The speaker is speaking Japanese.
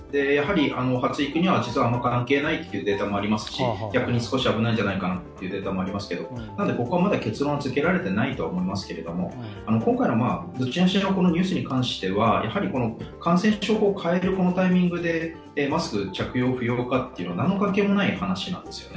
発育には実はあまり関係ないというデータもありますし、逆に少し危ないんじゃないかというデータもありますけど、ここはまだ結論付けられていないと思いますけれども、今回のどっちにしろ、このニュースに関しては感染症法を変えるタイミングでマスク着用、不要かというのはなんの関係もない話なんですね。